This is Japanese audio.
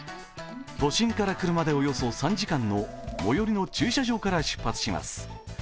都心から車でおよそ３時間の最寄りの駐車場から出発します。